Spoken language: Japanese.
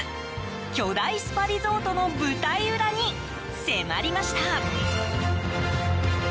巨大スパリゾートの舞台裏に迫りました。